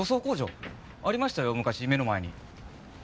ありましたよ昔目の前に。